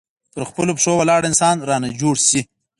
پر خپلو پښو ولاړ انسان رانه جوړ شي.